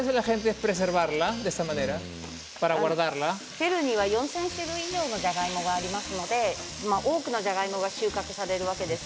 ペルーには４０００種類以上のじゃがいもがありますので多くのじゃがいもが収穫されるわけです。